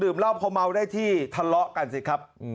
เมื่อมันเต็มพอเมาได้ที่ทะเลาะกันสิครับ